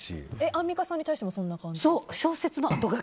アンミカさんに対してもそんな感じですか？